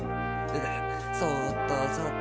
そっとそっと。